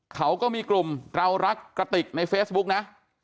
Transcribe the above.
เขาก็มีกลุ่มเรารักกระติกในเฟซบุ๊กนะ